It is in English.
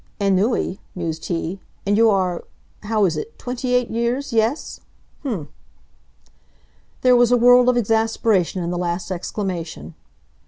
"Ennui?" mused he, "and you are how is it? twenty eight years, yes? H'm!" There was a world of exasperation in the last exclamation.